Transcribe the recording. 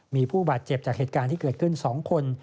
มีผู้บาดเจ็บจากเหตุการณ์ที่เกิดขึ้น๒คน